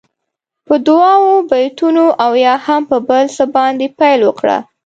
په دعاوو، بېتونو او یا هم په بل څه باندې پیل وکړه.